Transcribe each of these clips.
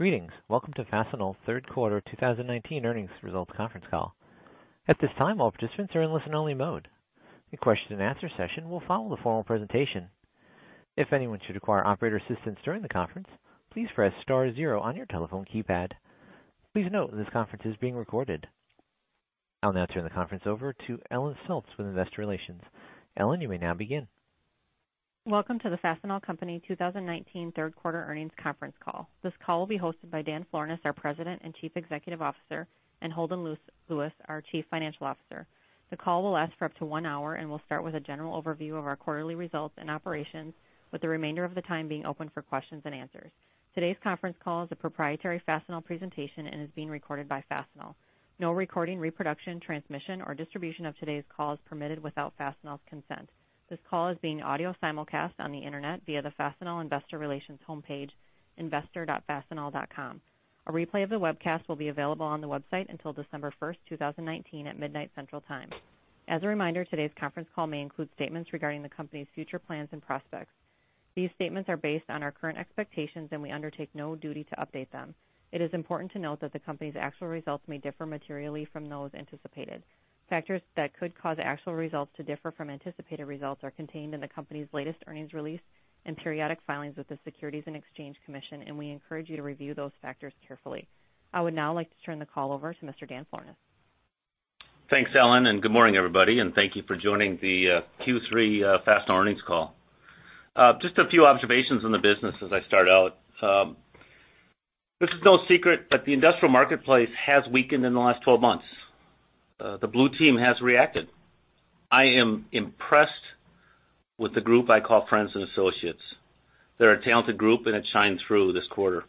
Greetings. Welcome to Fastenal third quarter 2019 earnings results conference call. At this time, all participants are in listen-only mode. A question and answer session will follow the formal presentation. If anyone should require operator assistance during the conference, please press star zero on your telephone keypad. Please note, this conference is being recorded. I'll now turn the conference over to Ellen Halverson with Investor Relations. Ellen, you may now begin. Welcome to the Fastenal Company 2019 third quarter earnings conference call. This call will be hosted by Dan Florness, our President and Chief Executive Officer, and Holden Lewis, our Chief Financial Officer. The call will last for up to one hour and will start with a general overview of our quarterly results and operations, with the remainder of the time being open for questions and answers. Today's conference call is a proprietary Fastenal presentation and is being recorded by Fastenal. No recording, reproduction, transmission, or distribution of today's call is permitted without Fastenal's consent. This call is being audio simulcast on the internet via the Fastenal investor relations homepage, investor.fastenal.com. A replay of the webcast will be available on the website until December 1st, 2019, at midnight Central Time. As a reminder, today's conference call may include statements regarding the company's future plans and prospects. These statements are based on our current expectations, and we undertake no duty to update them. It is important to note that the company's actual results may differ materially from those anticipated. Factors that could cause actual results to differ from anticipated results are contained in the company's latest earnings release and periodic filings with the Securities and Exchange Commission, and we encourage you to review those factors carefully. I would now like to turn the call over to Mr. Dan Florness. Thanks, Ellen. Good morning, everybody, and thank you for joining the Q3 Fastenal earnings call. Just a few observations on the business as I start out. This is no secret that the industrial marketplace has weakened in the last 12 months. The blue team has reacted. I am impressed with the group I call friends and associates. They're a talented group, and it shined through this quarter.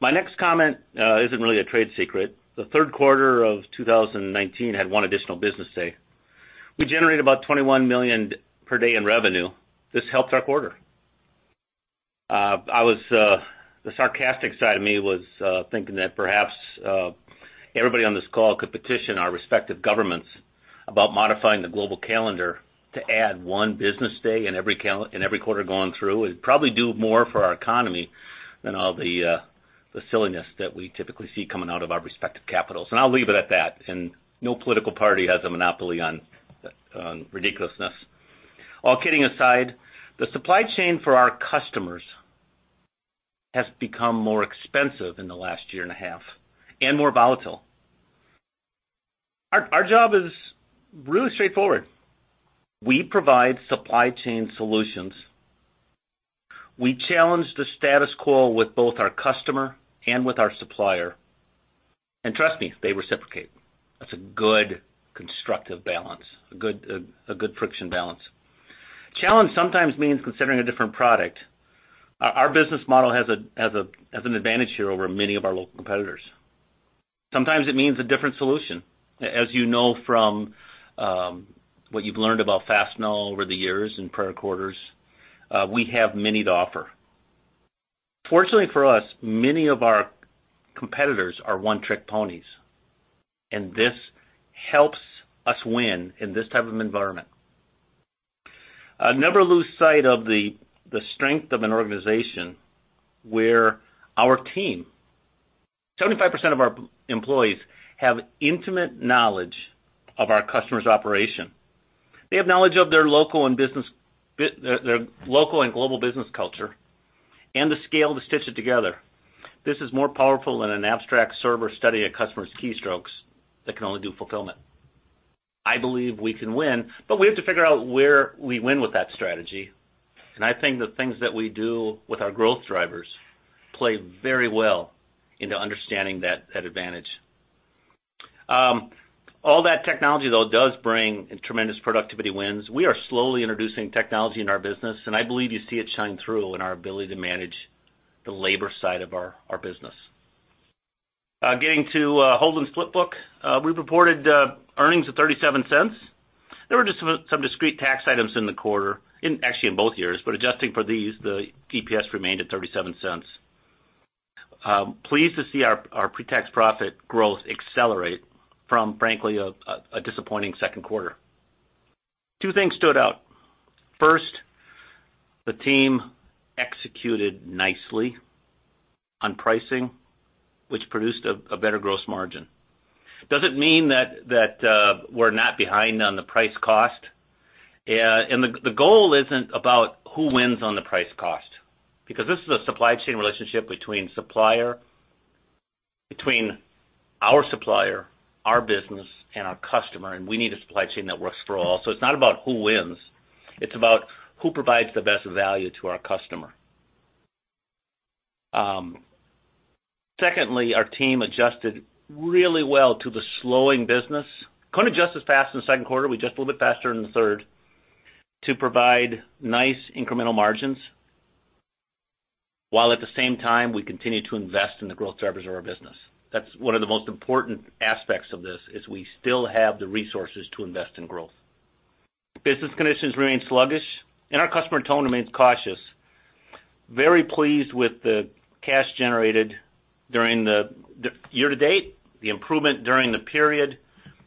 My next comment isn't really a trade secret. The third quarter of 2019 had one additional business day. We generate about $21 million per day in revenue. This helped our quarter. The sarcastic side of me was thinking that perhaps everybody on this call could petition our respective governments about modifying the global calendar to add one business day in every quarter going through. It'd probably do more for our economy than all the silliness that we typically see coming out of our respective capitals, and I'll leave it at that. No political party has a monopoly on ridiculousness. All kidding aside, the supply chain for our customers has become more expensive in the last year and a half and more volatile. Our job is really straightforward. We provide supply chain solutions. We challenge the status quo with both our customer and with our supplier. Trust me. They reciprocate. That's a good constructive balance, a good friction balance. Challenge sometimes means considering a different product. Our business model has an advantage here over many of our local competitors. Sometimes it means a different solution. As you know from what you've learned about Fastenal over the years in prior quarters, we have many to offer. Fortunately for us, many of our competitors are one-trick ponies, and this helps us win in this type of environment. Never lose sight of the strength of an organization where our team, 75% of our employees, have intimate knowledge of our customer's operation. They have knowledge of their local and global business culture and the scale to stitch it together. This is more powerful than an abstract server study of customers' keystrokes that can only do fulfillment. I believe we can win, but we have to figure out where we win with that strategy. I think the things that we do with our growth drivers play very well into understanding that advantage. All that technology, though, does bring tremendous productivity wins. We are slowly introducing technology in our business, and I believe you see it shine through in our ability to manage the labor side of our business. Getting to Holden's flipbook. We reported earnings of $0.37. There were just some discrete tax items in the quarter, actually in both years. Adjusting for these, the EPS remained at $0.37. Pleased to see our pre-tax profit growth accelerate from, frankly, a disappointing second quarter. Two things stood out. First, the team executed nicely on pricing, which produced a better gross margin. Doesn't mean that we're not behind on the price cost. The goal isn't about who wins on the price cost, because this is a supply chain relationship between our supplier, our business, and our customer, and we need a supply chain that works for all. It's not about who wins. It's about who provides the best value to our customer. Secondly, our team adjusted really well to the slowing business. Couldn't adjust as fast in the second quarter. We adjusted a little bit faster in the third to provide nice incremental margins, while at the same time, we continue to invest in the growth drivers of our business. That's one of the most important aspects of this is we still have the resources to invest in growth. Business conditions remain sluggish, our customer tone remains cautious. Very pleased with the cash generated during the year to date, the improvement during the period.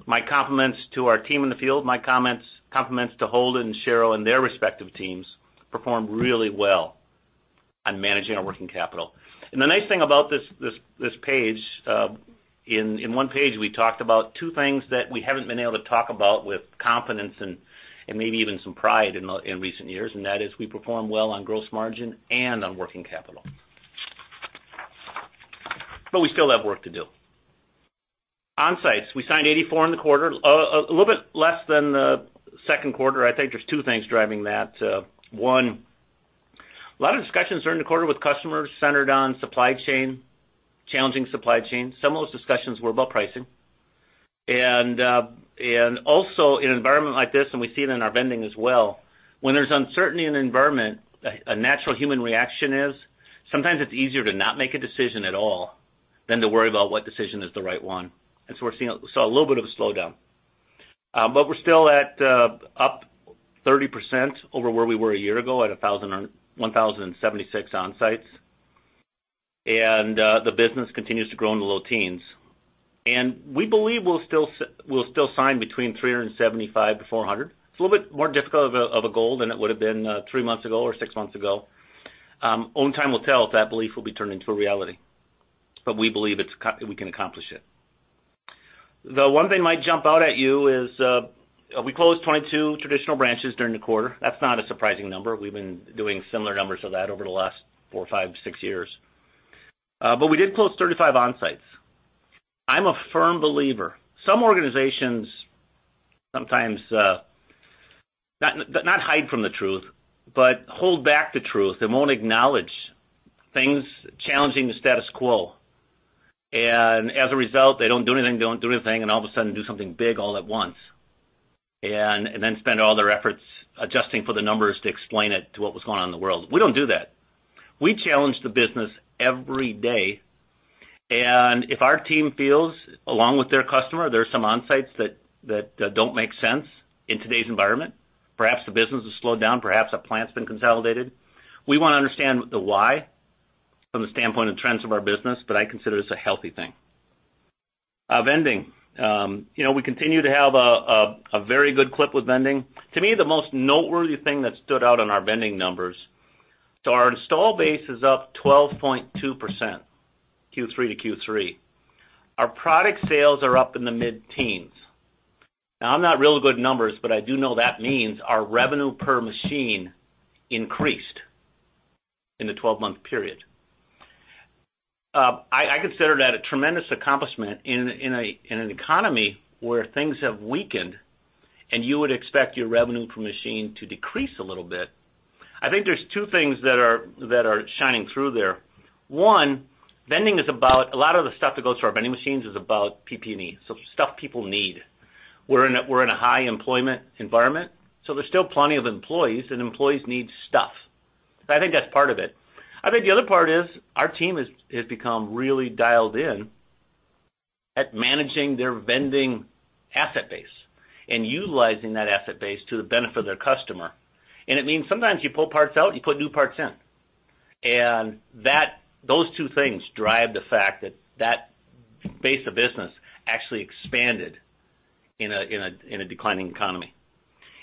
My compliments to our team in the field, my compliments to Holden, Cheryl, and their respective teams. Performed really well on managing our working capital. The nice thing about this page, in one page, we talked about two things that we haven't been able to talk about with confidence and maybe even some pride in recent years, that is we perform well on gross margin and on working capital. We still have work to do. Onsites, we signed 84 in the quarter, a little bit less than the second quarter. I think there's two things driving that. One, a lot of discussions during the quarter with customers centered on supply chain, challenging supply chain. Some of those discussions were about pricing. Also, in an environment like this, and we see it in our vending as well, when there's uncertainty in an environment, a natural human reaction is sometimes it's easier to not make a decision at all than to worry about what decision is the right one. We saw a little bit of a slowdown. We're still at up 30% over where we were a year ago at 1,076 Onsites. The business continues to grow in the low teens. We believe we'll still sign between 375-400. It's a little bit more difficult of a goal than it would've been three months ago or six months ago. Only time will tell if that belief will be turned into a reality. We believe we can accomplish it. The one thing that might jump out at you is we closed 22 traditional branches during the quarter. That's not a surprising number. We've been doing similar numbers to that over the last four, five, six years. We did close 35 Onsites. I'm a firm believer. Some organizations sometimes, not hide from the truth, but hold back the truth and won't acknowledge things challenging the status quo. As a result, they don't do anything, and all of a sudden do something big all at once, and then spend all their efforts adjusting for the numbers to explain it to what was going on in the world. We don't do that. We challenge the business every day, and if our team feels, along with their customer, there are some Onsites that don't make sense in today's environment. Perhaps the business has slowed down. Perhaps a plant's been consolidated. We want to understand the why from the standpoint of trends of our business, but I consider this a healthy thing. Vending. We continue to have a very good clip with vending. To me, the most noteworthy thing that stood out on our vending numbers, our install base is up 12.2% Q3 to Q3. Our product sales are up in the mid-teens. I'm not real good with numbers, but I do know that means our revenue per machine increased in the 12-month period. I consider that a tremendous accomplishment in an economy where things have weakened, and you would expect your revenue per machine to decrease a little bit. I think there's two things that are shining through there. One, a lot of the stuff that goes to our vending machines is about PPE, so stuff people need. We're in a high employment environment, so there's still plenty of employees, and employees need stuff. I think that's part of it. I think the other part is our team has become really dialed in at managing their vending asset base and utilizing that asset base to the benefit of their customer. It means sometimes you pull parts out, you put new parts in. Those two things drive the fact that base of business actually expanded in a declining economy.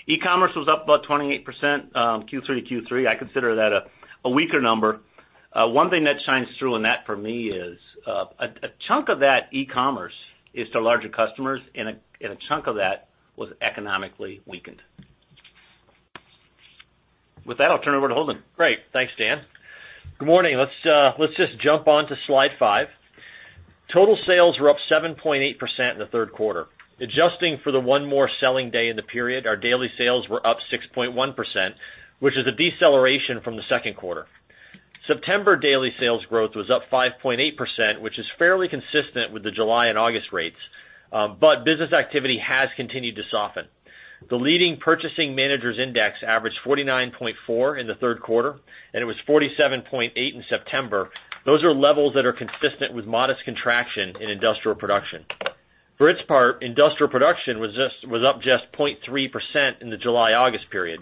E-commerce was up about 28%, Q3 to Q3. I consider that a weaker number. One thing that shines through in that for me is, a chunk of that e-commerce is to larger customers, and a chunk of that was economically weakened. With that, I'll turn it over to Holden. Great. Thanks, Dan. Good morning. Let's just jump onto slide five. Total sales were up 7.8% in the third quarter. Adjusting for the one more selling day in the period, our daily sales were up 6.1%, which is a deceleration from the second quarter. September daily sales growth was up 5.8%, which is fairly consistent with the July and August rates. Business activity has continued to soften. The leading Purchasing Managers' Index averaged 49.4 in the third quarter, and it was 47.8 in September. Those are levels that are consistent with modest contraction in industrial production. For its part, industrial production was up just 0.3% in the July-August period.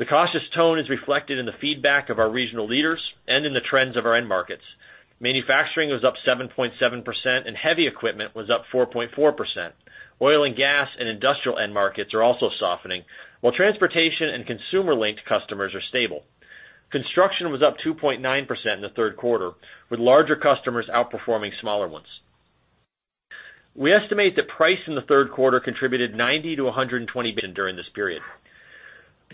The cautious tone is reflected in the feedback of our regional leaders and in the trends of our end markets. Manufacturing was up 7.7%, and heavy equipment was up 4.4%. Oil and gas and industrial end markets are also softening, while transportation and consumer-linked customers are stable. Construction was up 2.9% in the third quarter, with larger customers outperforming smaller ones. We estimate that price in the third quarter contributed $90 billion-$120 billion during this period.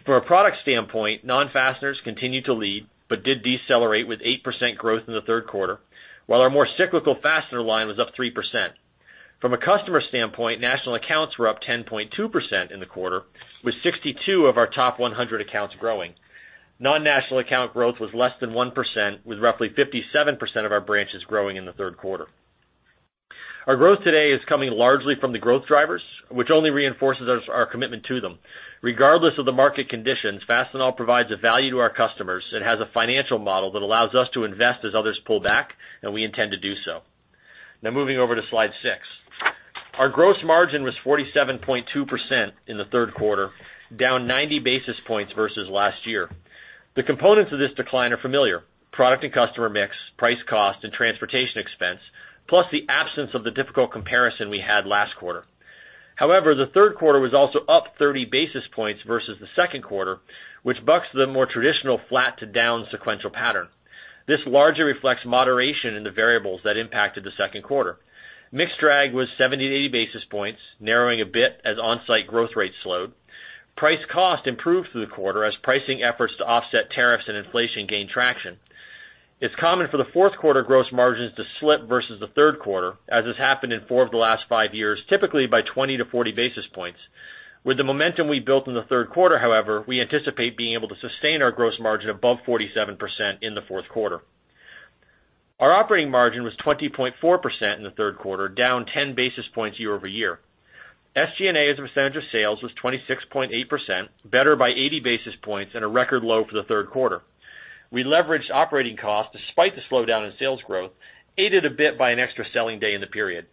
From a product standpoint, non-fasteners continued to lead but did decelerate with 8% growth in the third quarter, while our more cyclical fastener line was up 3%. From a customer standpoint, national accounts were up 10.2% in the quarter, with 62 of our top 100 accounts growing. Non-national account growth was less than 1%, with roughly 57% of our branches growing in the third quarter. Our growth today is coming largely from the growth drivers, which only reinforces our commitment to them. Regardless of the market conditions, Fastenal provides a value to our customers and has a financial model that allows us to invest as others pull back, and we intend to do so. Now moving over to slide six. Our gross margin was 47.2% in the third quarter, down 90 basis points versus last year. The components of this decline are familiar. Product and customer mix, price cost, and transportation expense, plus the absence of the difficult comparison we had last quarter. However, the third quarter was also up 30 basis points versus the second quarter, which bucks the more traditional flat to down sequential pattern. This largely reflects moderation in the variables that impacted the second quarter. Mix drag was 70-80 basis points, narrowing a bit as Onsite growth rates slowed. Price cost improved through the quarter as pricing efforts to offset tariffs and inflation gained traction. It's common for the fourth quarter gross margins to slip versus the third quarter, as has happened in four of the last five years, typically by 20 to 40 basis points. With the momentum we built in the third quarter, however, we anticipate being able to sustain our gross margin above 47% in the fourth quarter. Our operating margin was 20.4% in the third quarter, down 10 basis points year-over-year. SG&A as a percentage of sales was 26.8%, better by 80 basis points and a record low for the third quarter. We leveraged operating costs despite the slowdown in sales growth, aided a bit by an extra selling day in the period.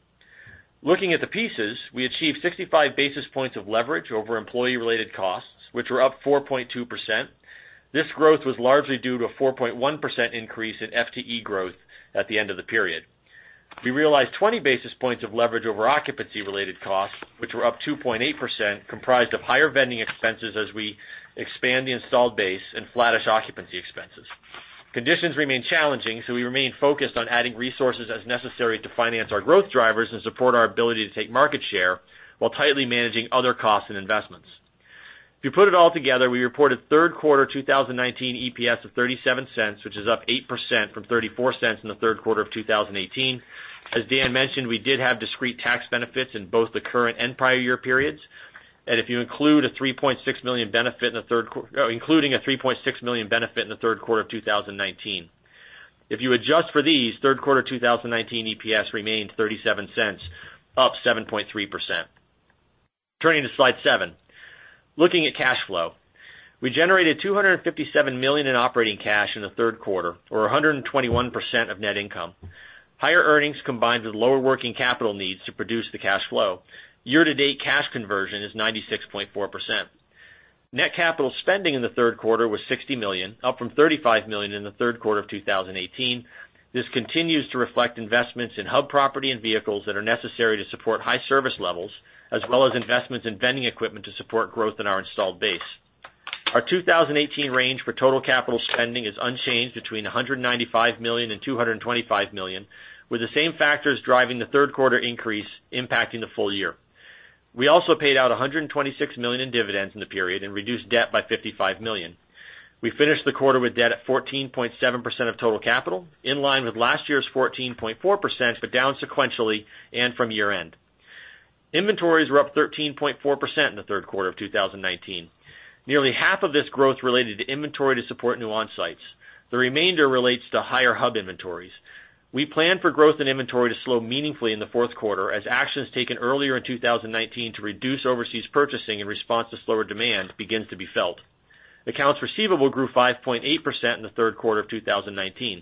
Looking at the pieces, we achieved 65 basis points of leverage over employee-related costs, which were up 4.2%. This growth was largely due to a 4.1% increase in FTE growth at the end of the period. We realized 20 basis points of leverage over occupancy-related costs, which were up 2.8%, comprised of higher vending expenses as we expand the installed base and flattish occupancy expenses. Conditions remain challenging, we remain focused on adding resources as necessary to finance our growth drivers and support our ability to take market share, while tightly managing other costs and investments. If you put it all together, we reported third quarter 2019 EPS of $0.37, which is up 8% from $0.34 in the third quarter of 2018. As Dan mentioned, we did have discrete tax benefits in both the current and prior year periods. If you include a $3.6 million benefit in the third quarter of 2019. If you adjust for these, third quarter 2019 EPS remains $0.37, up 7.3%. Turning to slide seven. Looking at cash flow, we generated $257 million in operating cash in the third quarter, or 121% of net income. Higher earnings combined with lower working capital needs to produce the cash flow. Year to date cash conversion is 96.4%. Net capital spending in the third quarter was $60 million, up from $35 million in the third quarter of 2018. This continues to reflect investments in hub property and vehicles that are necessary to support high service levels, as well as investments in vending equipment to support growth in our installed base. Our 2018 range for total capital spending is unchanged between $195 million and $225 million, with the same factors driving the third quarter increase impacting the full year. We also paid out $126 million in dividends in the period and reduced debt by $55 million. We finished the quarter with debt at 14.7% of total capital, in line with last year's 14.4%, but down sequentially and from year end. Inventories were up 13.4% in the third quarter of 2019. Nearly half of this growth related to inventory to support new Onsite. The remainder relates to higher hub inventories. We plan for growth in inventory to slow meaningfully in the fourth quarter as actions taken earlier in 2019 to reduce overseas purchasing in response to slower demand begins to be felt. Accounts receivable grew 5.8% in the third quarter of 2019.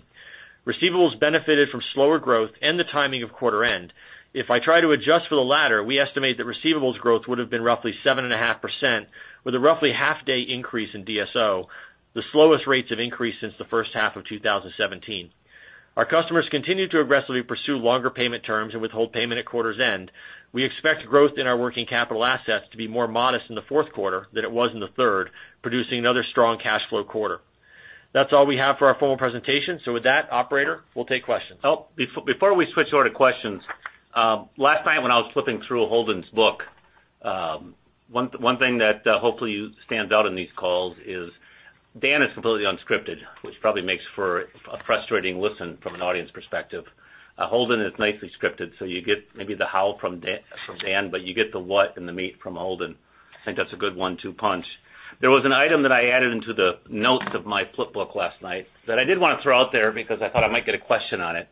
Receivables benefited from slower growth and the timing of quarter end. If I try to adjust for the latter, we estimate that receivables growth would have been roughly 7.5%, with a roughly half-day increase in DSO, the slowest rates of increase since the first half of 2017. Our customers continue to aggressively pursue longer payment terms and withhold payment at quarter's end. We expect growth in our working capital assets to be more modest in the fourth quarter than it was in the third, producing another strong cash flow quarter. That's all we have for our formal presentation. With that, operator, we'll take questions. Before we switch over to questions. Last night when I was flipping through Holden's book, one thing that hopefully stands out in these calls is Dan is completely unscripted, which probably makes for a frustrating listen from an audience perspective. You get maybe the how from Dan, but you get the what and the meat from Holden. I think that's a good one-two punch. There was an item that I added into the notes of my flip book last night that I did want to throw out there because I thought I might get a question on it,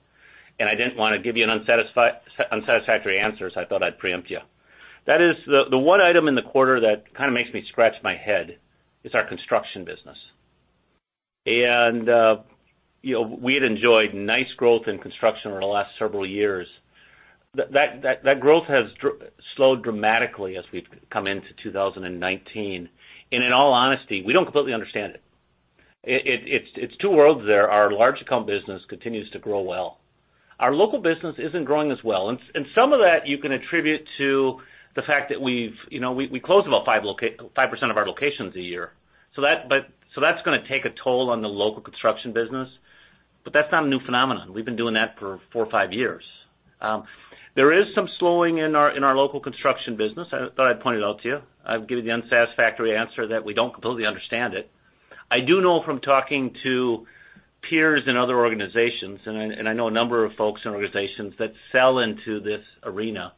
and I didn't want to give you an unsatisfactory answer, so I thought I'd preempt you. That is, the one item in the quarter that kind of makes me scratch my head is our construction business. We had enjoyed nice growth in construction over the last several years. That growth has slowed dramatically as we've come into 2019. In all honesty, we don't completely understand it. It's two worlds there. Our large account business continues to grow well. Our local business isn't growing as well, and some of that you can attribute to the fact that we close about 5% of our locations a year. That's going to take a toll on the local construction business, but that's not a new phenomenon. We've been doing that for four or five years. There is some slowing in our local construction business. I thought I'd point it out to you. I've given the unsatisfactory answer that we don't completely understand it. I do know from talking to peers in other organizations, and I know a number of folks in organizations that sell into this arena.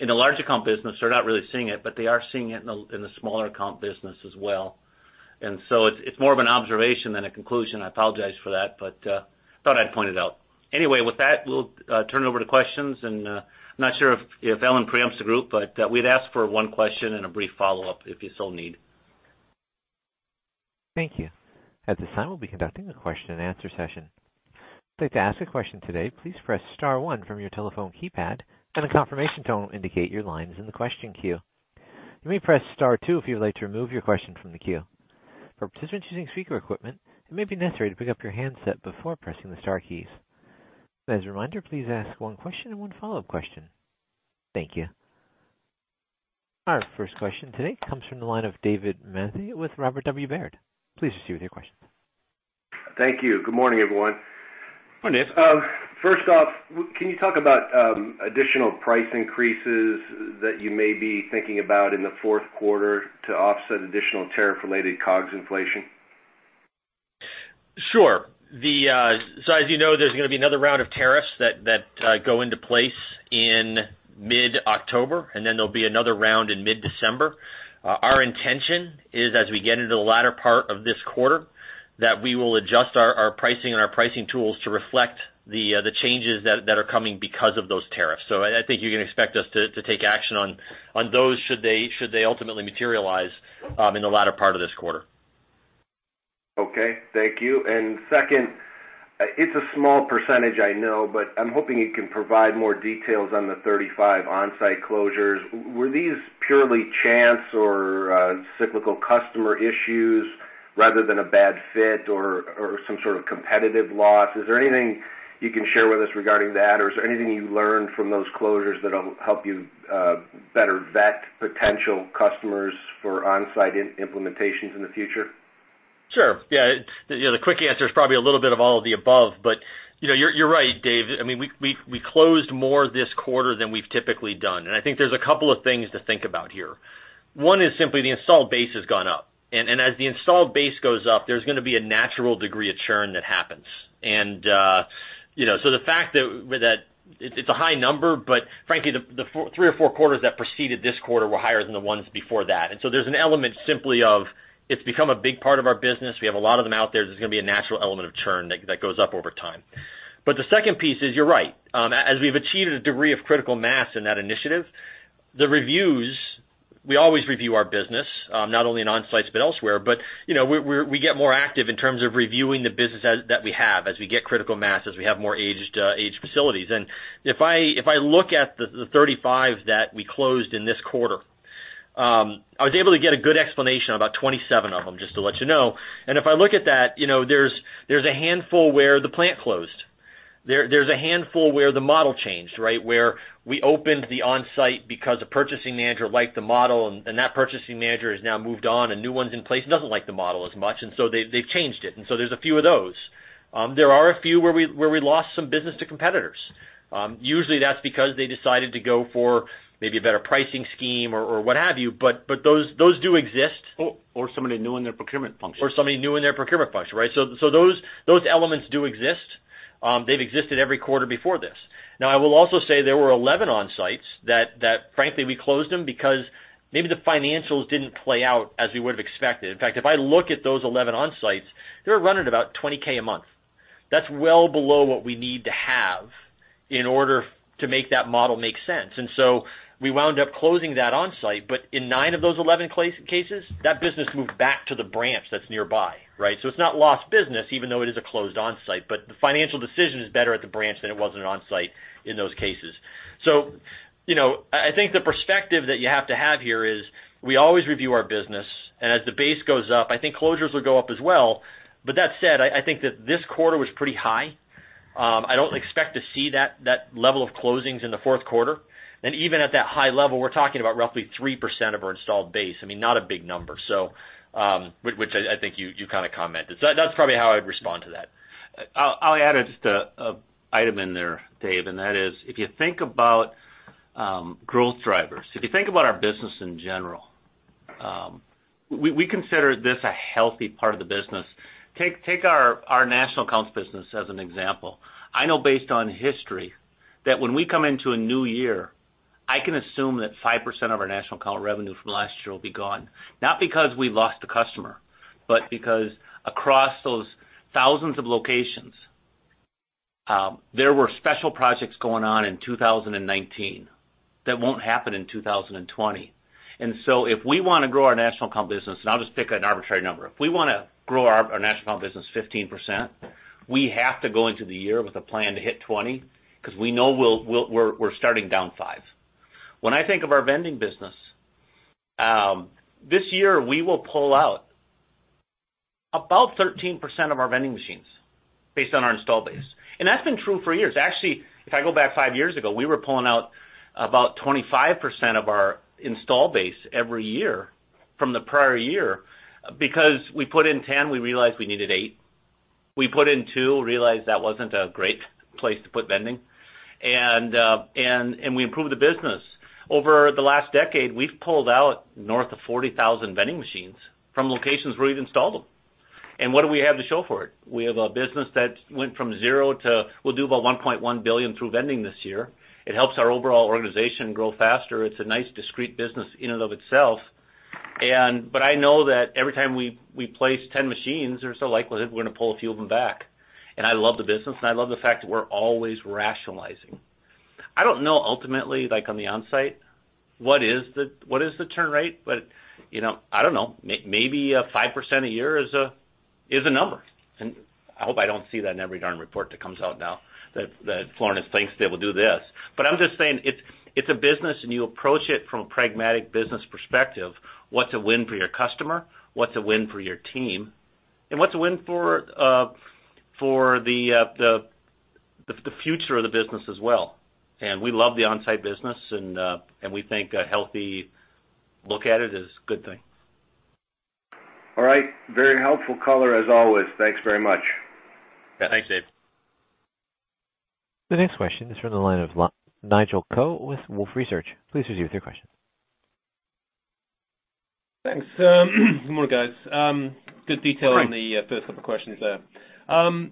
In the large account business, they're not really seeing it, but they are seeing it in the smaller account business as well. It's more of an observation than a conclusion. I apologize for that, thought I'd point it out. Anyway, with that, we'll turn it over to questions, I'm not sure if Ellen preempts the group, we'd ask for one question and a brief follow-up if you so need. Thank you. At this time, we'll be conducting a question and answer session. If you'd like to ask a question today, please press star 1 from your telephone keypad, and a confirmation tone will indicate your line is in the question queue. You may press star 2 if you would like to remove your question from the queue. For participants using speaker equipment, it may be necessary to pick up your handset before pressing the star keys. As a reminder, please ask one question and one follow-up question. Thank you. Our first question today comes from the line of David Manthey with Robert W. Baird. Please proceed with your question. Thank you. Good morning, everyone. Morning, Dave. First off, can you talk about additional price increases that you may be thinking about in the fourth quarter to offset additional tariff-related COGS inflation? Sure. As you know, there's going to be another round of tariffs that go into place in mid-October, and then there'll be another round in mid-December. Our intention is, as we get into the latter part of this quarter, that we will adjust our pricing and our pricing tools to reflect the changes that are coming because of those tariffs. I think you can expect us to take action on those should they ultimately materialize in the latter part of this quarter. Okay. Thank you. Second, it's a small percentage, I know, but I'm hoping you can provide more details on the 35 Onsite closures. Were these purely chance or cyclical customer issues rather than a bad fit or some sort of competitive loss? Is there anything you can share with us regarding that? Is there anything you learned from those closures that'll help you better vet potential customers for Onsite implementations in the future? Sure. Yeah. The quick answer is probably a little bit of all of the above, you're right, Dave. We closed more this quarter than we've typically done, I think there's a couple of things to think about here. One is simply the installed base has gone up, as the installed base goes up, there's going to be a natural degree of churn that happens. The fact that it's a high number, but frankly, the three or four quarters that preceded this quarter were higher than the ones before that. There's an element simply of it's become a big part of our business. We have a lot of them out there. There's going to be a natural element of churn that goes up over time. The second piece is, you're right. As we've achieved a degree of critical mass in that initiative, the reviews, we always review our business, not only in Onsite but elsewhere, we get more active in terms of reviewing the business that we have as we get critical mass, as we have more aged facilities. If I look at the 35 that we closed in this quarter, I was able to get a good explanation on about 27 of them, just to let you know. If I look at that, there's a handful where the plant closed. There's a handful where the model changed, where we opened the Onsite because a purchasing manager liked the model, that purchasing manager has now moved on, a new one's in place and doesn't like the model as much, they've changed it. There's a few of those. There are a few where we lost some business to competitors. Usually, that's because they decided to go for maybe a better pricing scheme or what have you, but those do exist. Somebody new in their procurement function. Somebody new in their procurement function. Those elements do exist. They've existed every quarter before this. I will also say there were 11 Onsites that, frankly, we closed them because maybe the financials didn't play out as we would have expected. In fact, if I look at those 11 Onsites, they're running about $20K a month. That's well below what we need to have in order to make that model make sense. We wound up closing that Onsite, but in nine of those 11 cases, that business moved back to the branch that's nearby. It's not lost business, even though it is a closed Onsite, but the financial decision is better at the branch than it was at an Onsite in those cases. I think the perspective that you have to have here is we always review our business, and as the base goes up, I think closures will go up as well. That said, I think that this quarter was pretty high. I don't expect to see that level of closings in the fourth quarter. Even at that high level, we're talking about roughly 3% of our installed base. Not a big number. Which I think you kind of commented. That's probably how I'd respond to that. I'll add just an item in there, Dave, and that is, if you think about growth drivers, if you think about our business in general, we consider this a healthy part of the business. Take our national accounts business as an example. I know based on history that when we come into a new year, I can assume that 5% of our national account revenue from last year will be gone, not because we lost a customer, but because across those thousands of locations, there were special projects going on in 2019 that won't happen in 2020. If we want to grow our national account business, I'll just pick an arbitrary number. If we want to grow our national account business 15%, we have to go into the year with a plan to hit 20 because we know we're starting down five. When I think of our vending business, this year, we will pull out about 13% of our vending machines based on our install base. That's been true for years. Actually, if I go back five years ago, we were pulling out about 25% of our install base every year from the prior year because we put in 10, we realized we needed eight. We put in two, realized that wasn't a great place to put vending. We improved the business. Over the last decade, we've pulled out north of 40,000 vending machines from locations where we've installed them. What do we have to show for it? We have a business that went from zero to we'll do about $1.1 billion through vending this year. It helps our overall organization grow faster. It's a nice discreet business in and of itself. I know that every time we place 10 machines or so, likely we're going to pull a few of them back. I love the business, and I love the fact that we're always rationalizing. I don't know ultimately, on the Onsite, what is the churn rate? I don't know, maybe 5% a year is a number. I hope I don't see that in every darn report that comes out now that Florness thinks they will do this. I'm just saying, it's a business, and you approach it from a pragmatic business perspective. What's a win for your customer? What's a win for your team? What's a win for the future of the business as well? We love the Onsite business and we think a healthy look at it is a good thing. All right. Very helpful color as always. Thanks very much. Yeah. Thanks, Dave. The next question is from the line of Nigel Coe with Wolfe Research. Please proceed with your question. Thanks. Good morning, guys. Hi on the first couple of questions there.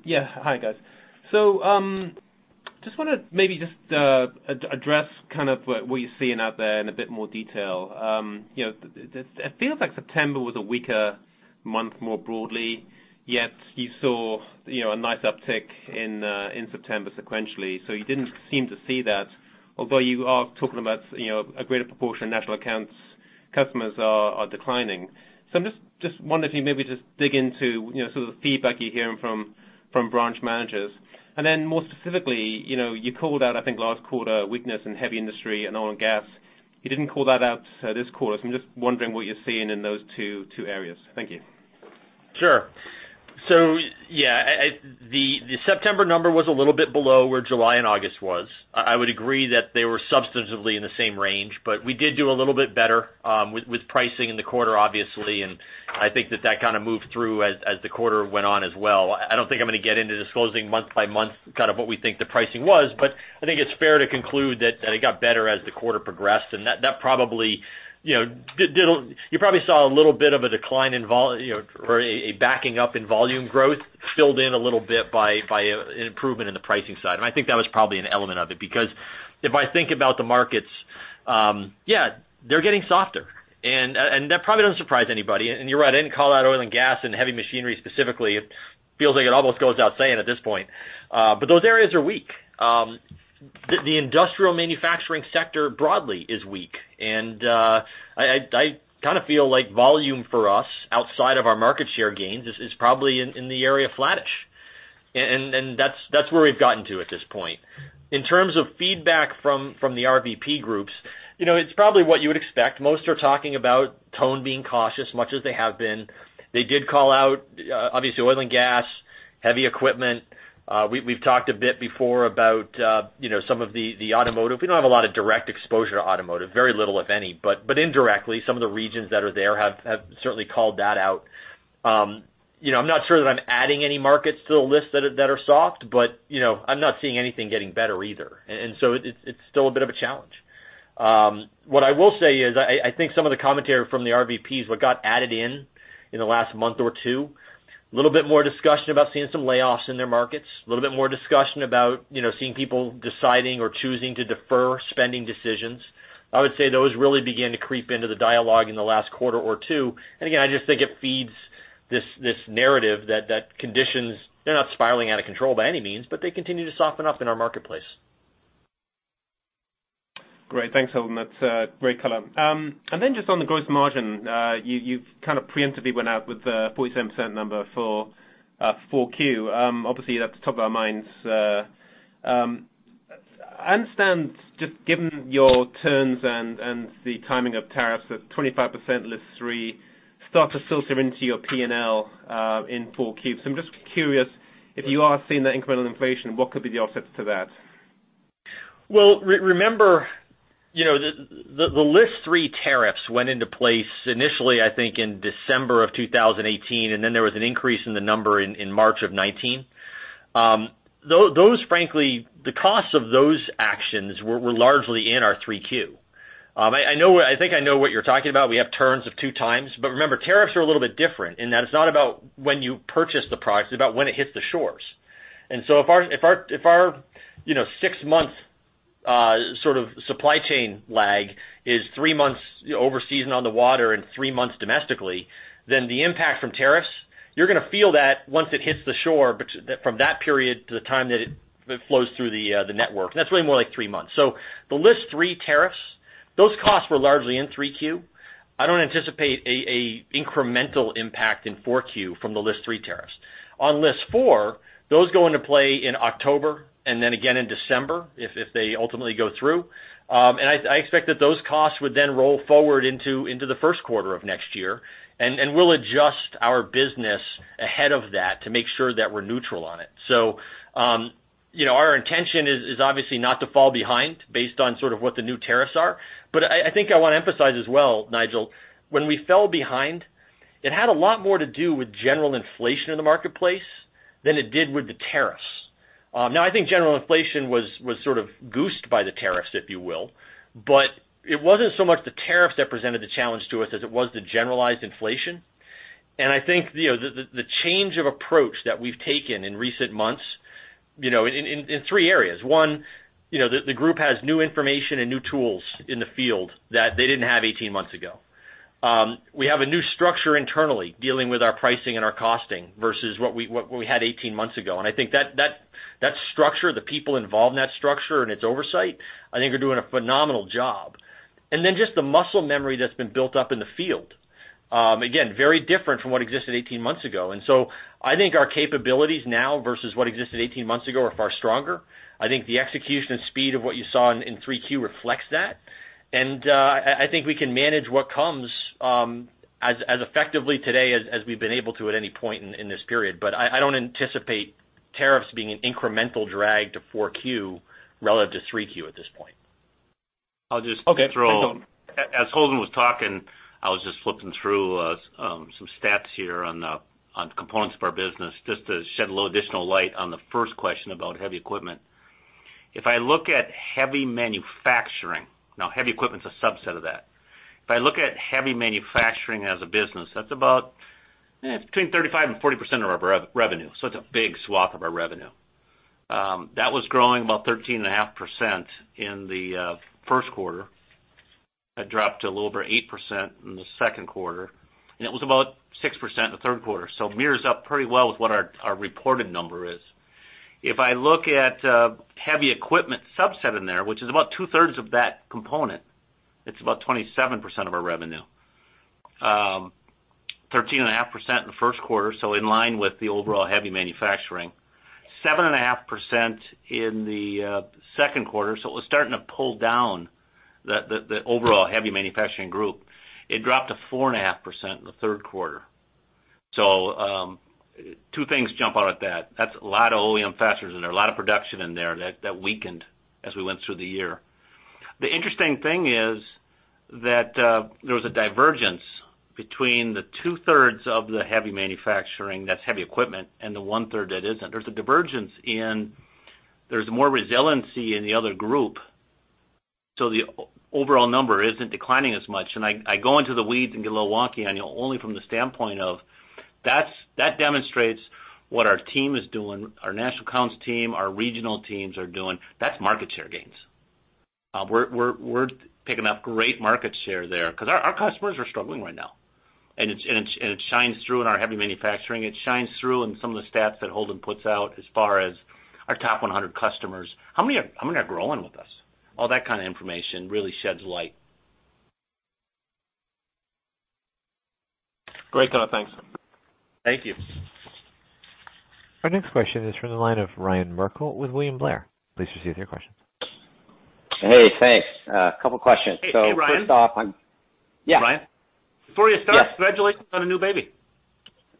Yeah. Hi, guys. just want to maybe just address kind of what you're seeing out there in a bit more detail. It feels like September was a weaker month, more broadly, yet you saw a nice uptick in September sequentially. You didn't seem to see that, although you are talking about a greater proportion of national accounts customers are declining. I'm just wondering if you maybe just dig into sort of the feedback you're hearing from branch managers. More specifically you called out, I think, last quarter, weakness in heavy industry and oil and gas. You didn't call that out this quarter, I'm just wondering what you're seeing in those two areas. Thank you. Sure. Yeah. The September number was a little bit below where July and August was. I would agree that they were substantively in the same range. We did do a little bit better with pricing in the quarter, obviously. I think that that kind of moved through as the quarter went on as well. I don't think I'm going to get into disclosing month by month kind of what we think the pricing was. I think it's fair to conclude that it got better as the quarter progressed. You probably saw a little bit of a decline or a backing up in volume growth filled in a little bit by an improvement in the pricing side. I think that was probably an element of it, because if I think about the markets, yeah, they're getting softer. That probably doesn't surprise anybody. You're right, I didn't call out oil and gas and heavy machinery specifically. It feels like it almost goes without saying at this point. Those areas are weak. The industrial manufacturing sector broadly is weak, and I kind of feel like volume for us outside of our market share gains is probably in the area flattish. That's where we've gotten to at this point. In terms of feedback from the RVP groups, it's probably what you would expect. Most are talking about tone being cautious, much as they have been. They did call out, obviously oil and gas, heavy equipment. We've talked a bit before about some of the automotive. We don't have a lot of direct exposure to automotive, very little, if any, but indirectly, some of the regions that are there have certainly called that out. I'm not sure that I'm adding any markets to the list that are soft, but I'm not seeing anything getting better either. It's still a bit of a challenge. What I will say is, I think some of the commentary from the RVPs, what got added in the last month or two, a little bit more discussion about seeing some layoffs in their markets, a little bit more discussion about seeing people deciding or choosing to defer spending decisions. I would say those really began to creep into the dialogue in the last quarter or two. Again, I just think it feeds this narrative that conditions, they're not spiraling out of control by any means, but they continue to soften up in our marketplace. Great. Thanks, Holden. That's great color. Then just on the gross margin, you kind of preemptively went out with the 47% number for 4Q. Obviously, that's top of our minds. I understand, just given your turns and the timing of tariffs, that 25% List 3 start to filter into your P&L in 4Q. I'm just curious if you are seeing that incremental inflation, what could be the offsets to that? Well, remember, the List 3 tariffs went into place initially, I think, in December of 2018. Then there was an increase in the number in March of 2019. Those frankly, the costs of those actions were largely in our 3Q. I think I know what you're talking about. We have turns of two times. Remember, tariffs are a little bit different in that it's not about when you purchase the product, it's about when it hits the shores. If our six-month sort of supply chain lag is three months overseas and on the water and three months domestically, then the impact from tariffs, you're going to feel that once it hits the shore from that period to the time that it flows through the network, that's really more like three months. The List 3 tariffs, those costs were largely in 3Q. I don't anticipate a incremental impact in 4Q from the List 3 tariffs. On List Four, those go into play in October and then again in December if they ultimately go through. I expect that those costs would then roll forward into the first quarter of next year, and we'll adjust our business ahead of that to make sure that we're neutral on it. Our intention is obviously not to fall behind based on sort of what the new tariffs are. I think I want to emphasize as well, Nigel, when we fell behind, it had a lot more to do with general inflation in the marketplace than it did with the tariffs. I think general inflation was sort of goosed by the tariffs, if you will, but it wasn't so much the tariffs that presented the challenge to us as it was the generalized inflation. I think the change of approach that we've taken in recent months in three areas. One, the group has new information and new tools in the field that they didn't have 18 months ago. We have a new structure internally dealing with our pricing and our costing versus what we had 18 months ago. I think that structure, the people involved in that structure and its oversight, I think are doing a phenomenal job. Just the muscle memory that's been built up in the field. Again, very different from what existed 18 months ago. I think our capabilities now versus what existed 18 months ago are far stronger. I think the execution and speed of what you saw in 3Q reflects that. I think we can manage what comes, as effectively today as we've been able to at any point in this period. I don't anticipate tariffs being an incremental drag to 4Q relative to 3Q at this point. I'll just throw- Okay. As Holden was talking, I was just flipping through some stats here on components of our business, just to shed a little additional light on the first question about heavy equipment. If I look at heavy manufacturing, now, heavy equipment's a subset of that. If I look at heavy manufacturing as a business, that's about between 35% and 40% of our revenue. It's a big swath of our revenue. That was growing about 13.5% in the first quarter. That dropped to a little over 8% in the second quarter. It was about 6% in the third quarter. Mirrors up pretty well with what our reported number is. If I look at heavy equipment subset in there, which is about two-thirds of that component, it's about 27% of our revenue. It was 13.5% in the first quarter, so in line with the overall heavy manufacturing. 7.5% in the second quarter, it was starting to pull down the overall heavy manufacturing group. It dropped to 4.5% in the third quarter. Two things jump out at that. That's a lot of OEM factors in there, a lot of production in there that weakened as we went through the year. The interesting thing is that there was a divergence between the two-thirds of the heavy manufacturing, that's heavy equipment, and the one-third that isn't. There's a divergence in there's more resiliency in the other group, so the overall number isn't declining as much. I go into the weeds and get a little wonky on you only from the standpoint of that demonstrates what our team is doing, our national accounts team, our regional teams are doing. That's market share gains. We're picking up great market share there because our customers are struggling right now. It shines through in our heavy manufacturing. It shines through in some of the stats that Holden puts out as far as our top 100 customers. How many are growing with us? All that kind of information really sheds light. Great, Connor. Thanks. Thank you. Our next question is from the line of Ryan Merkel with William Blair. Please proceed with your question. Hey, thanks. A couple questions. Hey, Ryan. first off, I'm Yeah. Ryan? Before you start. Yeah. Congratulations on a new baby.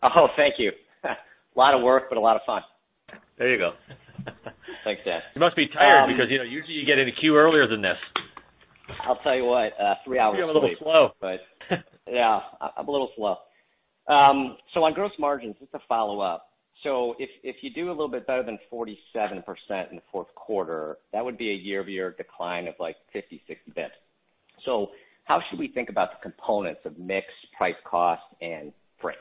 Oh, thank you. Lot of work, but a lot of fun. There you go. Thanks, Dan. You must be tired because usually you get into queue earlier than this. I'll tell you what, three hours of sleep. You're a little slow. Yeah, I'm a little slow. On gross margins, just a follow-up. If you do a little bit better than 47% in the fourth quarter, that would be a year-over-year decline of, like, 50, 60 basis points. How should we think about the components of mix, price cost and freight?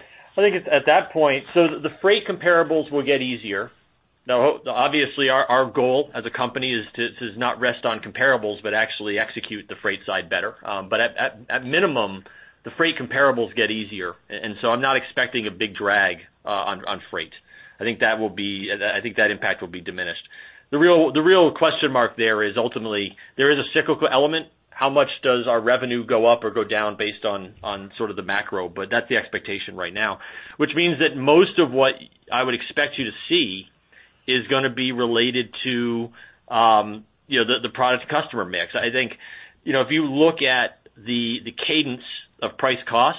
I think it's at that point. The freight comparables will get easier. Obviously our goal as a company is to not rest on comparables, but actually execute the freight side better. At minimum, the freight comparables get easier. I'm not expecting a big drag on freight. I think that impact will be diminished. The real question mark there is ultimately there is a cyclical element. How much does our revenue go up or go down based on sort of the macro? That's the expectation right now. Which means that most of what I would expect you to see is going to be related to the product customer mix. I think, if you look at the cadence of price cost,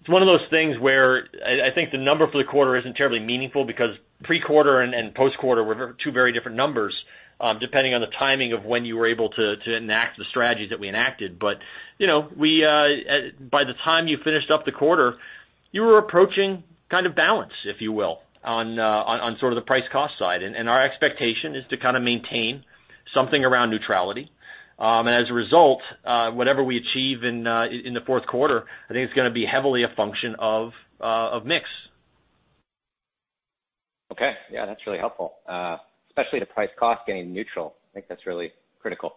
it's one of those things where I think the number for the quarter isn't terribly meaningful because pre-quarter and post-quarter were two very different numbers, depending on the timing of when you were able to enact the strategies that we enacted. By the time you finished up the quarter, you were approaching kind of balance, if you will, on sort of the price cost side. Our expectation is to kind of maintain something around neutrality. As a result, whatever we achieve in the fourth quarter, I think it's gonna be heavily a function of mix. Okay. Yeah, that's really helpful. Especially the price cost getting neutral. I think that's really critical.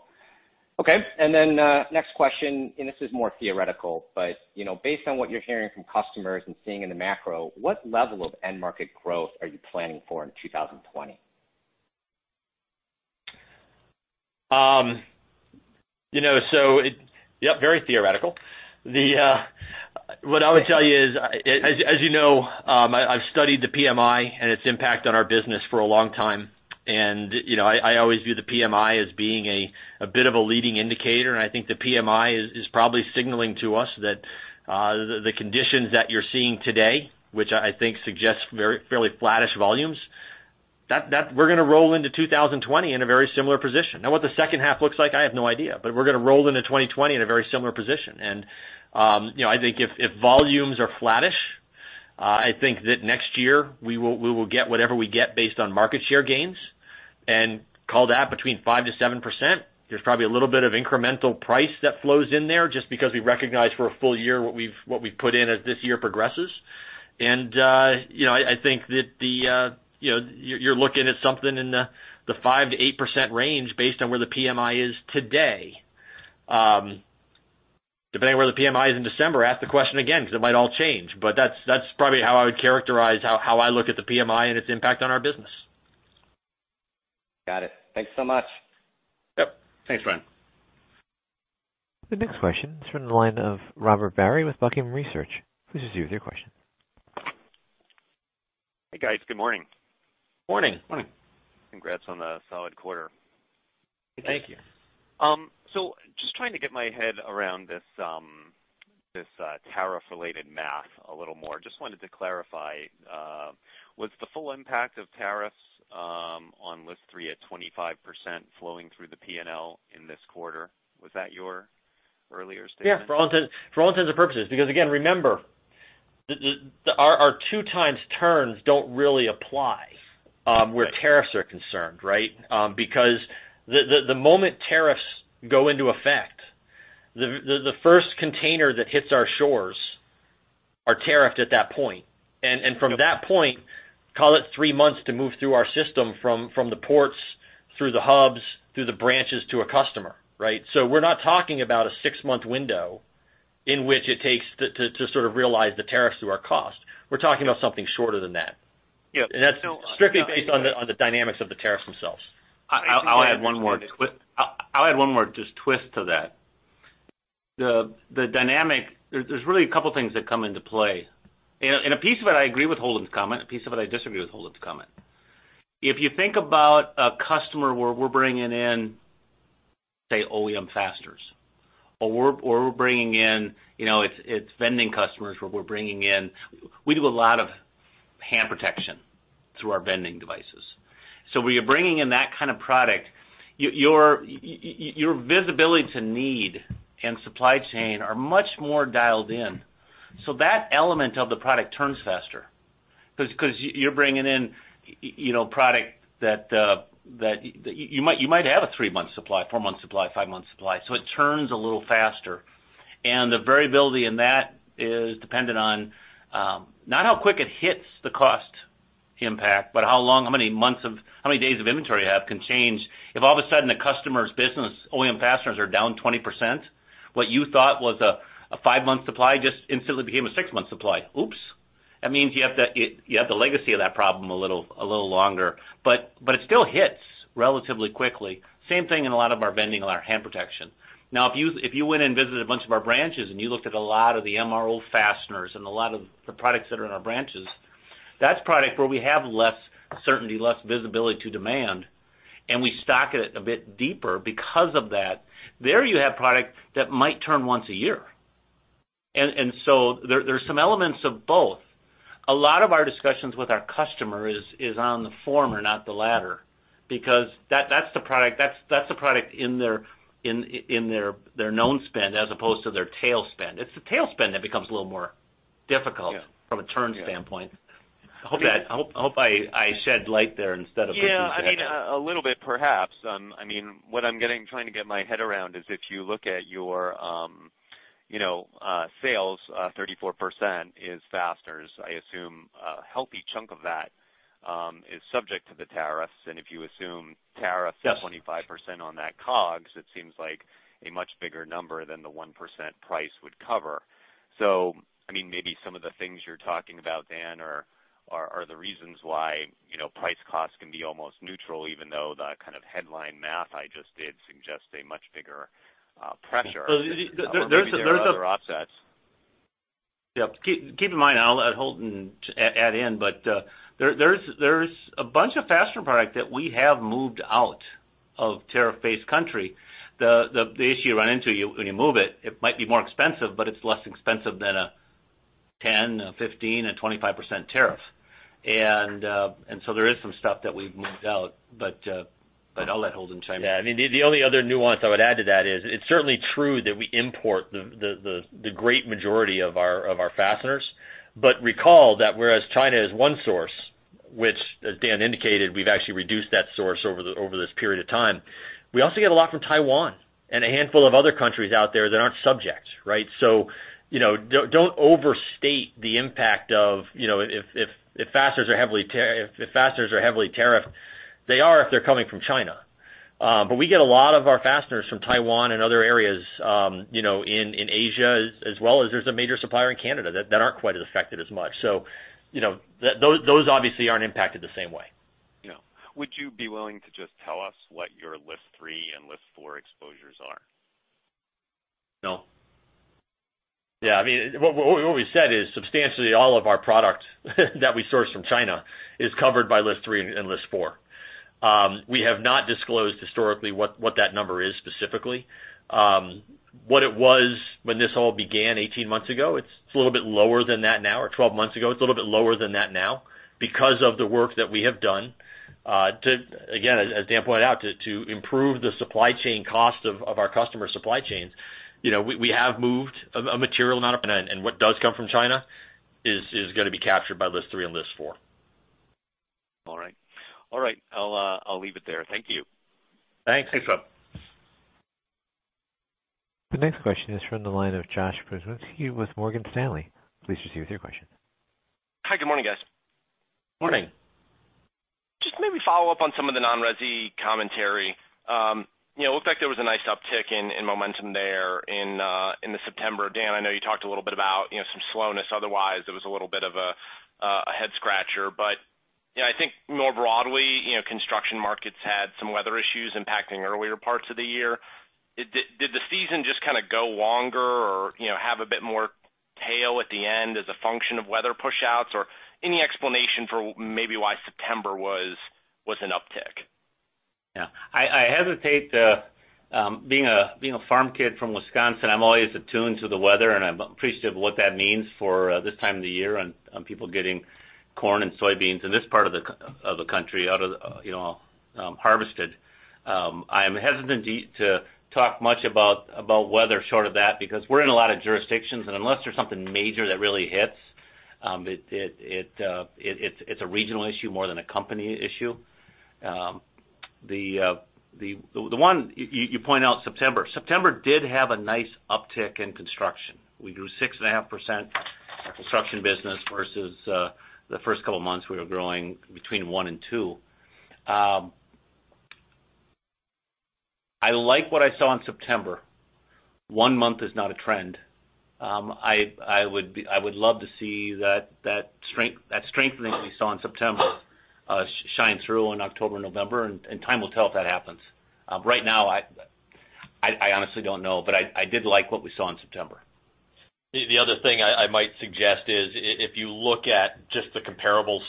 Okay. Next question, and this is more theoretical, but based on what you're hearing from customers and seeing in the macro, what level of end market growth are you planning for in 2020? Yeah, very theoretical. What I would tell you is, as you know, I've studied the PMI and its impact on our business for a long time. I always view the PMI as being a bit of a leading indicator, and I think the PMI is probably signaling to us that the conditions that you're seeing today, which I think suggests fairly flattish volumes, that we're gonna roll into 2020 in a very similar position. Now, what the second half looks like, I have no idea. We're gonna roll into 2020 in a very similar position. I think if volumes are flattish, I think that next year we will get whatever we get based on market share gains and call that between 5%-7%. There's probably a little bit of incremental price that flows in there, just because we recognize for a full year what we've put in as this year progresses. I think that you're looking at something in the 5%-8% range based on where the PMI is today. Depending on where the PMI is in December, ask the question again, because it might all change. That's probably how I would characterize how I look at the PMI and its impact on our business. Got it. Thanks so much. Yep. Thanks, Ryan. The next question is from the line of Robert Barry with Buckingham Research. Please proceed with your question. Hey, guys. Good morning. Morning. Morning. Congrats on the solid quarter. Thank you. Thank you. Just trying to get my head around this tariff-related math a little more, just wanted to clarify. Was the full impact of tariffs on List 3 at 25% flowing through the P&L in this quarter? Was that your earlier statement? For all intents and purposes. Again, remember, our two times turns don't really apply where tariffs are concerned, right? The moment tariffs go into effect, the first container that hits our shores are tariffed at that point. From that point, call it three months to move through our system from the ports, through the hubs, through the branches to a customer, right? We're not talking about a six-month window in which it takes to sort of realize the tariffs through our cost. We're talking about something shorter than that. Yeah. That's strictly based on the dynamics of the tariffs themselves. I'll add one more just twist to that. The dynamic, there's really a couple things that come into play. A piece of it I agree with Holden's comment, a piece of it I disagree with Holden's comment. If you think about a customer where we're bringing in, say, OEM fasteners, or it's vending customers where we're bringing in. We do a lot of hand protection through our vending devices. Where you're bringing in that kind of product, your visibility to need and supply chain are much more dialed in. That element of the product turns faster, because you're bringing in product that you might have a three-month supply, four-month supply, five-month supply. The variability in that is dependent on not how quick it hits the cost impact, but how long, how many days of inventory you have can change. If all of a sudden a customer's business OEM fasteners are down 20%, what you thought was a five-month supply just instantly became a six-month supply. Oops. That means you have the legacy of that problem a little longer. It still hits relatively quickly. Same thing in a lot of our vending and our hand protection. If you went and visited a bunch of our branches and you looked at a lot of the MRO fasteners and a lot of the products that are in our branches, that's product where we have less certainty, less visibility to demand, and we stock it a bit deeper because of that. There you have product that might turn once a year. There's some elements of both. A lot of our discussions with our customer is on the former, not the latter, because that's the product in their known spend as opposed to their tail spend. It's the tail spend that becomes a little more difficult from a turn standpoint. I hope I shed light there instead of. Yeah, I mean, a little bit perhaps. I mean, what I'm trying to get my head around is if you look at your sales, 34% is fasteners. I assume a healthy chunk of that is subject to the tariffs. If you assume tariffs of 25% on that COGS, it seems like a much bigger number than the 1% price would cover. Maybe some of the things you're talking about, Dan, are the reasons why price cost can be almost neutral, even though the kind of headline math I just did suggests a much bigger pressure. Maybe there are other offsets. Keep in mind, I'll let Holden add in, there's a bunch of fastener product that we have moved out of tariff-based country. The issue you run into when you move it might be more expensive, but it's less expensive than a 10%, a 15%, and 25% tariff. There is some stuff that we've moved out. I'll let Holden chime in. Yeah. I mean, the only other nuance I would add to that is it's certainly true that we import the great majority of our fasteners. Recall that whereas China is one source, which, as Dan indicated, we've actually reduced that source over this period of time. We also get a lot from Taiwan and a handful of other countries out there that aren't subject, right? Don't overstate the impact of if fasteners are heavily tariffed. They are if they're coming from China. We get a lot of our fasteners from Taiwan and other areas in Asia, as well as there's a major supplier in Canada that aren't quite as affected as much. Those obviously aren't impacted the same way. Yeah. Would you be willing to just tell us what your List 3 and List Four exposures are? No. Yeah, I mean, what we said is substantially all of our product that we source from China is covered by List Three and List Four. We have not disclosed historically what that number is specifically. What it was when this all began 18 months ago, it's a little bit lower than that now, or 12 months ago. It's a little bit lower than that now because of the work that we have done. Again, as Dan pointed out, to improve the supply chain cost of our customer supply chains. We have moved a material amount, and what does come from China is going to be captured by List Three and List Four. All right. I'll leave it there. Thank you. Thanks. Thanks, Rob. The next question is from the line of Josh Pokrzywinski with Morgan Stanley. Please proceed with your question. Hi. Good morning, guys. Morning. Just maybe follow up on some of the non-resi commentary. It looked like there was a nice uptick in momentum there in the September. Dan, I know you talked a little bit about some slowness. Otherwise, it was a little bit of a head-scratcher. I think more broadly, construction markets had some weather issues impacting earlier parts of the year. Did the season just kind of go longer or have a bit more tail at the end as a function of weather pushouts? Any explanation for maybe why September was an uptick? I hesitate. Being a farm kid from Wisconsin, I'm always attuned to the weather, and I'm appreciative of what that means for this time of the year on people getting corn and soybeans in this part of the country harvested. I'm hesitant to talk much about weather short of that, because we're in a lot of jurisdictions, and unless there's something major that really hits, it's a regional issue more than a company issue. You point out September. September did have a nice uptick in construction. We grew 6.5% in our construction business versus the first couple of months we were growing between one and two. I like what I saw in September. One month is not a trend. I would love to see that strengthening that we saw in September shine through in October, November, time will tell if that happens. Right now, I honestly don't know, but I did like what we saw in September. The other thing I might suggest is if you look at just the comparables.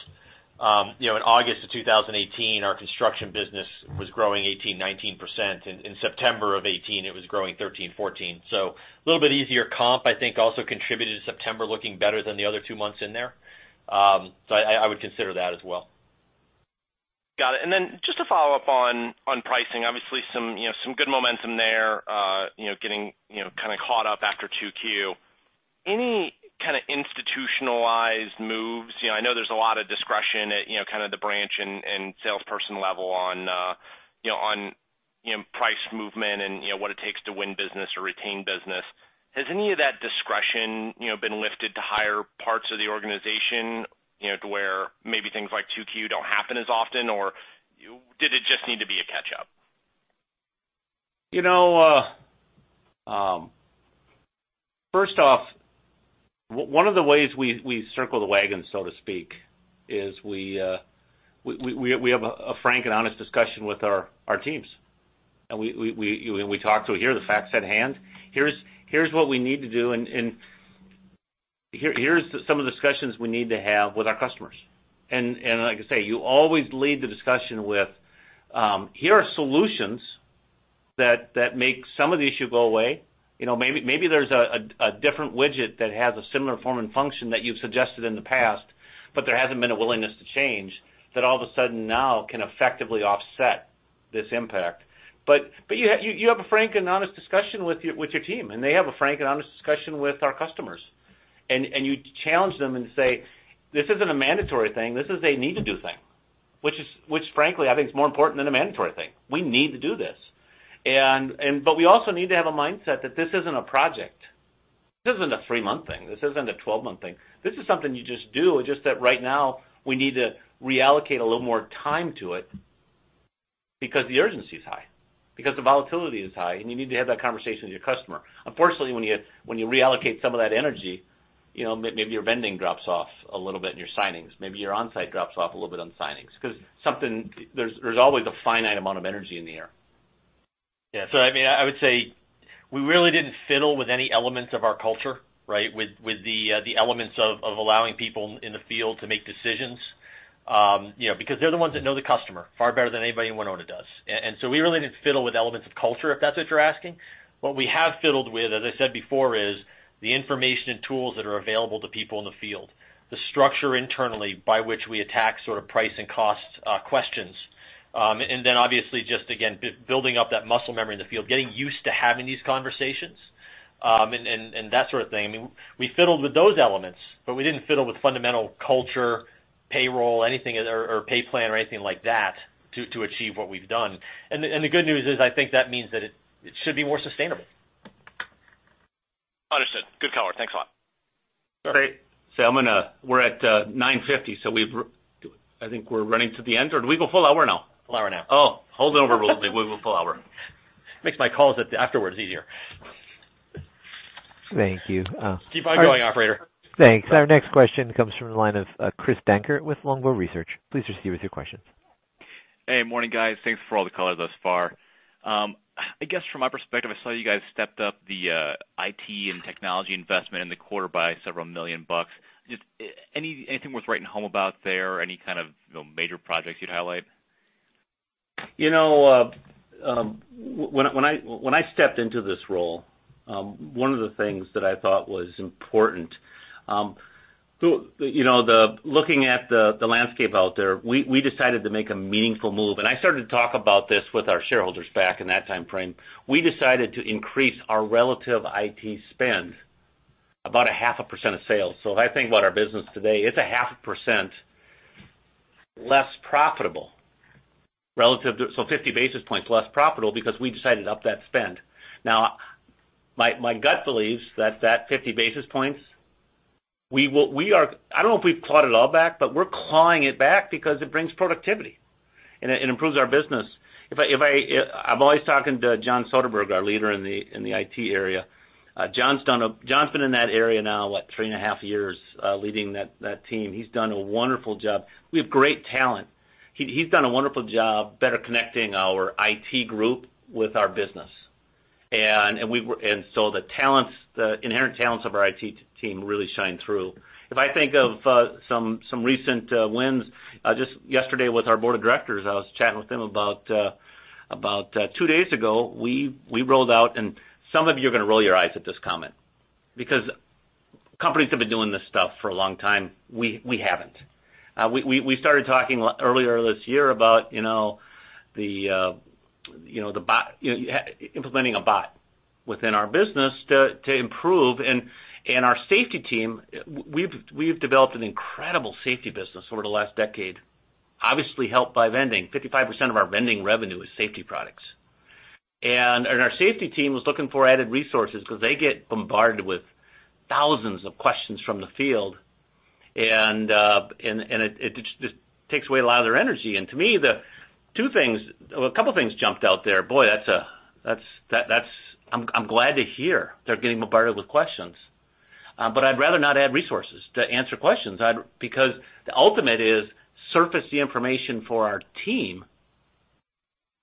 In August of 2018, our construction business was growing 18%, 19%, and in September of 2018, it was growing 13%, 14%. A little bit easier comp, I think, also contributed to September looking better than the other two months in there. I would consider that as well. Got it. Just to follow up on pricing, obviously some good momentum there, getting kind of caught up after 2Q. Any kind of institutionalized moves? I know there's a lot of discretion at kind of the branch and salesperson level on price movement and what it takes to win business or retain business. Has any of that discretion been lifted to higher parts of the organization, to where maybe things like 2Q don't happen as often? Did it just need to be a catch-up? First off, one of the ways we circle the wagons, so to speak, is we have a frank and honest discussion with our teams, and we talk through, "Here are the facts at hand. Here's what we need to do, and here's some of the discussions we need to have with our customers." Like I say, you always lead the discussion with, "Here are solutions that make some of the issue go away." Maybe there's a different widget that has a similar form and function that you've suggested in the past, but there hasn't been a willingness to change that all of a sudden now can effectively offset this impact. You have a frank and honest discussion with your team, and they have a frank and honest discussion with our customers, and you challenge them and say, "This isn't a mandatory thing. This is a need-to-do thing." Which frankly, I think is more important than a mandatory thing. We need to do this. We also need to have a mindset that this isn't a project. This isn't a three-month thing. This isn't a 12-month thing. This is something you just do. It's just that right now, we need to reallocate a little more time to it because the urgency is high, because the volatility is high, and you need to have that conversation with your customer. Unfortunately, when you reallocate some of that energy, maybe your vending drops off a little bit in your signings. Maybe your Onsite drops off a little bit on signings. There's always a finite amount of energy in the air. Yeah. I would say we really didn't fiddle with any elements of our culture, right? With the elements of allowing people in the field to make decisions. Because they're the ones that know the customer far better than anybody in Winona does. We really didn't fiddle with elements of culture, if that's what you're asking. What we have fiddled with, as I said before, is the information and tools that are available to people in the field. The structure internally by which we attack sort of price and cost questions. Obviously, just again, building up that muscle memory in the field. Getting used to having these conversations, and that sort of thing. We fiddled with those elements, but we didn't fiddle with fundamental culture, payroll, or pay plan or anything like that to achieve what we've done. The good news is, I think that means that it should be more sustainable. Understood. Good color. Thanks a lot. Great. We're at 9:50 A.M., so I think we're running to the end. Do we go full hour now? Full hour now. Oh, hold it over. We'll go full hour. Makes my calls afterwards easier. Thank you. Keep on going, operator. Thanks. Our next question comes from the line of Chris Dankert with Longbow Research. Please proceed with your questions. Hey, morning, guys. Thanks for all the color thus far. I guess from my perspective, I saw you guys stepped up the IT and technology investment in the quarter by $ several million. Anything worth writing home about there? Any kind of major projects you'd highlight? When I stepped into this role, one of the things that I thought was important, looking at the landscape out there, we decided to make a meaningful move, and I started to talk about this with our shareholders back in that timeframe. We decided to increase our relative IT spend about a half a percent of sales. If I think about our business today, it's a half a percent less profitable, so 50 basis points less profitable because we decided up that spend. My gut believes that's that 50 basis points. I don't know if we've clawed it all back, but we're clawing it back because it brings productivity and it improves our business. I'm always talking to John Soderberg, our leader in the IT area. John's been in that area now, what? Three and a half years, leading that team. He's done a wonderful job. We have great talent. He's done a wonderful job better connecting our IT group with our business. The inherent talents of our IT team really shine through. If I think of some recent wins, just yesterday with our board of directors, I was chatting with them about two days ago, we rolled out. Some of you are going to roll your eyes at this comment, because companies have been doing this stuff for a long time. We haven't. We started talking earlier this year about implementing a bot within our business to improve. Our safety team, we've developed an incredible safety business over the last decade, obviously helped by vending. 55% of our vending revenue is safety products. Our safety team was looking for added resources because they get bombarded with thousands of questions from the field, and it just takes away a lot of their energy. To me, a couple of things jumped out there. Boy, I'm glad to hear they're getting bombarded with questions. I'd rather not add resources to answer questions, because the ultimate is surface the information for our team,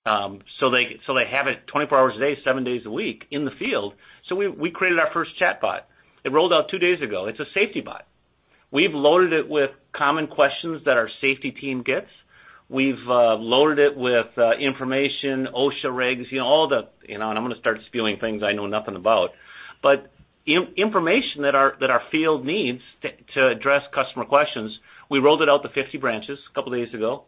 so they have it 24 hours a day, 7 days a week in the field. We created our first chatbot. It rolled out 2 days ago. It's a safety bot. We've loaded it with common questions that our safety team gets. We've loaded it with information, OSHA regs, and I'm going to start spewing things I know nothing about. Information that our field needs to address customer questions. We rolled it out to 50 branches a couple of days ago.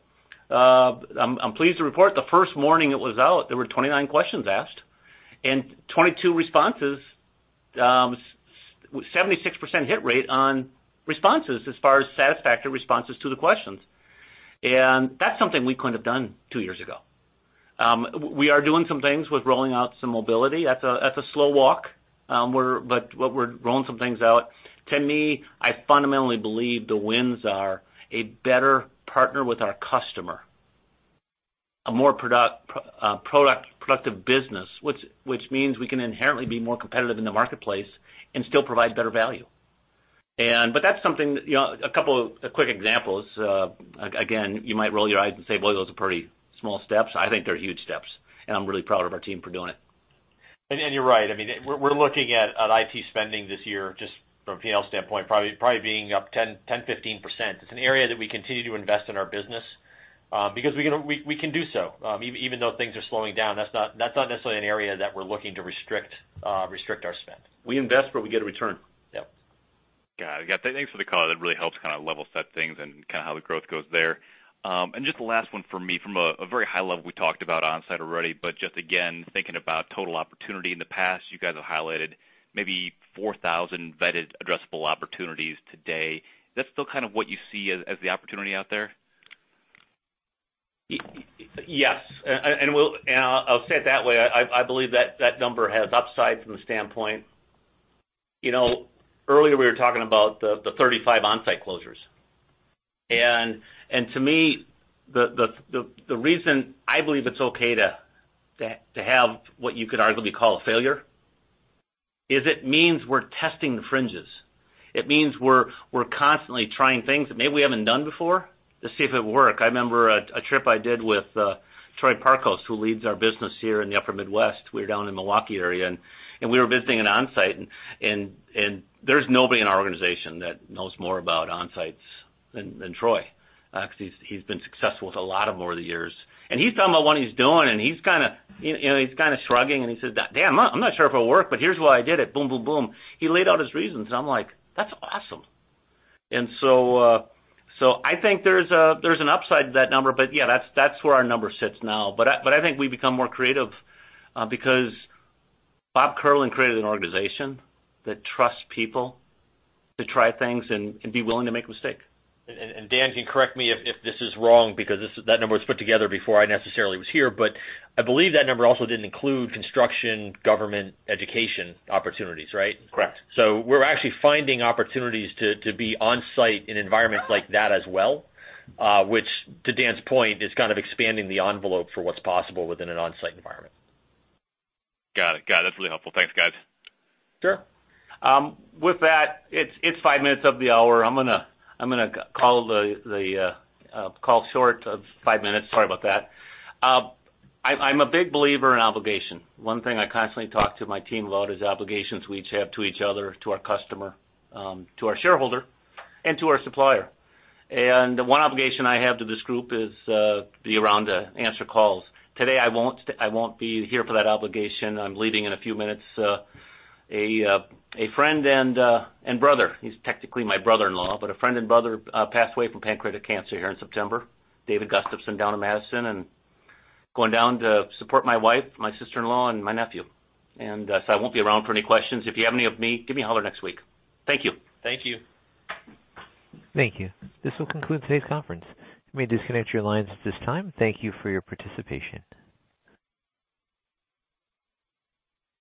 I'm pleased to report the first morning it was out, there were 29 questions asked and 22 responses, 76% hit rate on responses as far as satisfactory responses to the questions. That's something we couldn't have done two years ago. We are doing some things with rolling out some mobility. That's a slow walk. We're rolling some things out. To me, I fundamentally believe the wins are a better partner with our customer, a more productive business, which means we can inherently be more competitive in the marketplace and still provide better value. That's something, a couple of quick examples. Again, you might roll your eyes and say, "Boy, those are pretty small steps." I think they're huge steps, and I'm really proud of our team for doing it. You're right. We're looking at IT spending this year, just from a P&L standpoint, probably being up 10, 15%. It's an area that we continue to invest in our business, because we can do so. Even though things are slowing down, that's not necessarily an area that we're looking to restrict our spend. We invest where we get a return. Yeah. Got it. Thanks for the call. That really helps kind of level set things and kind of how the growth goes there. Just the last one for me, from a very high level, we talked about Onsite already, but just again, thinking about total opportunity. In the past, you guys have highlighted maybe 4,000 vetted addressable opportunities today. Is that still kind of what you see as the opportunity out there? Yes. I'll say it that way. I believe that number has upsides from the standpoint, earlier we were talking about the 35 Onsite closures. To me, the reason I believe it's okay to have what you could arguably call a failure is it means we're testing the fringes. It means we're constantly trying things that maybe we haven't done before to see if it would work. I remember a trip I did with Troy Parkos, who leads our business here in the Upper Midwest. We were down in Milwaukee area, and we were visiting an Onsite, and there's nobody in our organization that knows more about Onsites than Troy, because he's been successful with a lot of them over the years. He's talking about what he's doing, and he's kind of shrugging, and he says, "Dan, I'm not sure if it'll work, but here's why I did it." Boom, boom. He laid out his reasons, and I'm like, "That's awesome." I think there's an upside to that number, but yeah, that's where our number sits now. I think we become more creative, because Bob Kierlin created an organization that trusts people to try things and be willing to make a mistake. Dan, you can correct me if this is wrong, because that number was put together before I necessarily was here, but I believe that number also didn't include construction, government, education opportunities, right? Correct. We're actually finding opportunities to be Onsite in environments like that as well, which, to Dan's point, is kind of expanding the envelope for what's possible within an Onsite environment. Got it. That's really helpful. Thanks, guys. Sure. With that, it's five minutes of the hour. I'm going to call the call short of five minutes. Sorry about that. I'm a big believer in obligation. One thing I constantly talk to my team about is obligations we each have to each other, to our customer, to our shareholder, and to our supplier. One obligation I have to this group is to be around to answer calls. Today, I won't be here for that obligation. I'm leaving in a few minutes. A friend and brother, he's technically my brother-in-law, but a friend and brother passed away from pancreatic cancer here in September, David Gustafson, down in Madison, and going down to support my wife, my sister-in-law, and my nephew. I won't be around for any questions. If you have any of me, give me a holler next week. Thank you. Thank you. Thank you. This will conclude today's conference. You may disconnect your lines at this time. Thank you for your participation.